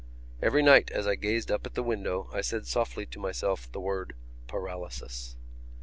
Every night as I gazed up at the window I said softly to myself the word paralysis.